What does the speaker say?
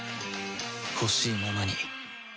ほしいままに